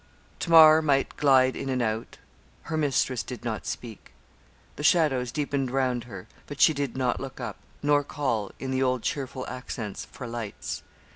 Tamar might glide in and out; her mistress did not speak; the shadows deepened round her, but she did look up, nor call, in the old cheerful accents, for lights.